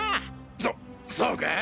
そそうか？